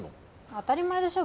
当たり前でしょ